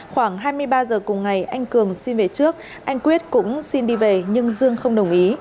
khoảng hai mươi ba giờ cùng ngày anh cường xin về trước anh quyết cũng xin đi về nhưng dương không đồng ý